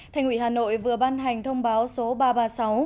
thành ủy hà nội vừa ban hành thông báo số ba trăm ba mươi sáu